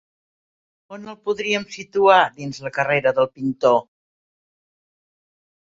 On el podríem situar dins la carrera del pintor?